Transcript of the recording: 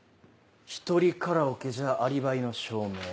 ひとりカラオケじゃアリバイの証明は。